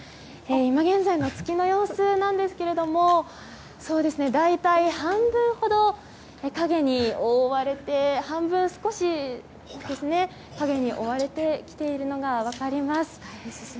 今現在の月の様子ですけれども大体半分ほど影に覆われて半分、少しぐらい影に覆われてきているのが分かります。